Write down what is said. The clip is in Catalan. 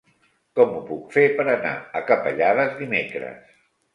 Com ho puc fer per anar a Capellades dimecres?